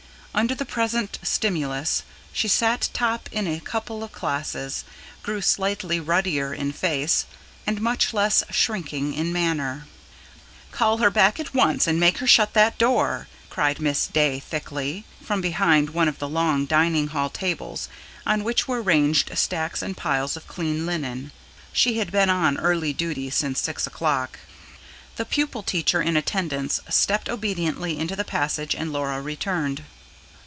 Under the present stimulus she sat top in a couple of classes, grew slightly ruddier in face, and much less shrinking in manner. "Call her back at once and make her shut that door," cried Miss Day thickly, from behind one of the long, dining hall tables, on which were ranged stacks and piles of clean linen. She had been on early duty since six o'clock. The pupil teacher in attendance stepped obediently into the passage; and Laura returned.